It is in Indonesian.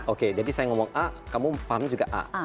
oke jadi saya ngomong a kamu farmnya juga a